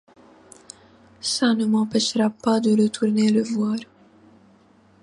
Ça ne m’empêchera pas de retourner le voir.